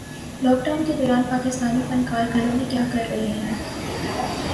lock Dawn کے دوران پاکستانی فنکار گھروں میں کیا کررہے ہیں